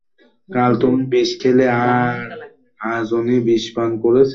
কাল তুমি বিষ খেলে আর আজ উনি বিষপান করেছে।